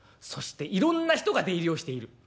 そしていろんな人が出入りをしている。